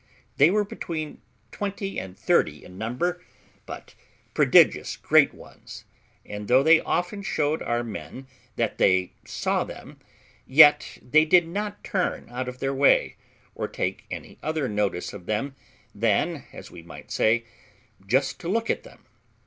They were between twenty and thirty in number, but prodigious great ones; and though they often showed our men that they saw them, yet they did not turn out of their way, or take any other notice of them than, as we might say, just to look at them.